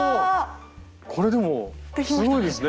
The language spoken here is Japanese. これでもすごいですね。